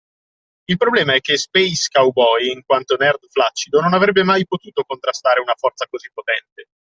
Il problema è che Space Cowboy, in quanto nerd flaccido, non avrebbe mai potuto contrastare una forza così potente.